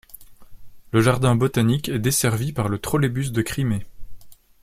Le jardin botanique est desservi par le trolleybus de Crimée.